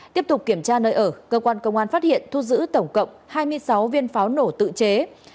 tiếp tục kiểm tra nơi ở cơ quan công an phát hiện thu giữ tổng cộng hai mươi sáu viên pháo nổ tự chế